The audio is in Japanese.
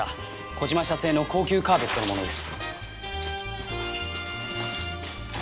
コジマ社製の高級カーペットのものです。